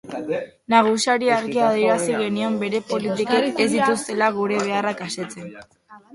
Nagusiari argi adierazi genion bere politikek ez dituztela gure beharrak asetzen.